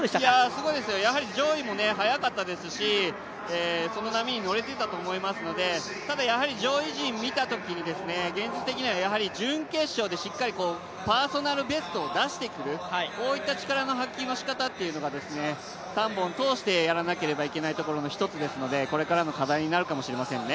すごいですよ、上位も速かったですしその波に乗れていたと思いますが、ただ上位陣見たときに、現実的には準決勝でしっかりパーソナルベストを出してくるこういった力の発揮のしかたというのが、３本通してやらなければいけないところの一つですのでこれからの課題になるかもしれませんね。